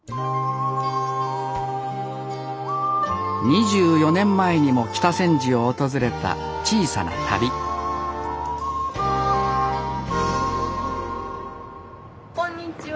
２４年前にも北千住を訪れた「小さな旅」こんにちは。